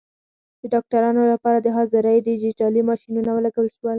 د ډاکټرانو لپاره د حاضرۍ ډیجیټلي ماشینونه ولګول شول.